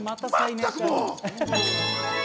全くもう！